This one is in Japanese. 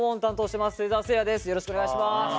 よろしくお願いします。